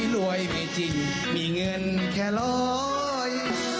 รวยไม่จริงมีเงินแค่ร้อย